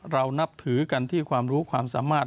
เรานับถือกันที่ความรู้ความสามารถ